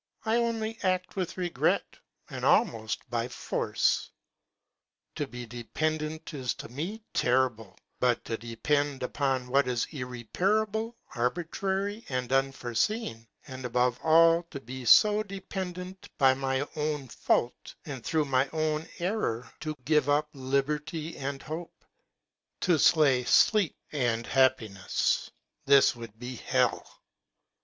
I only act with regret, and almost by force. To be dependent is to me terrible ; but to depend upon what is irreparable, arbitrary, and unforeseen, and above all to be so de zo AMIEL'S JOURNAL. pendent by my own fault and through my own error — to give up liberty and hope, to slay sleep and happiness—this would be hell!